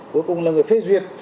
cuối cùng là người phê duyệt